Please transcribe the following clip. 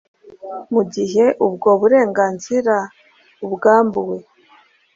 mu gihe ubwo burenganzira abwambuwe.